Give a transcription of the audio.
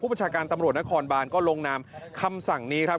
ประชาการตำรวจนครบานก็ลงนามคำสั่งนี้ครับ